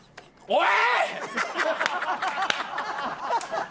おい！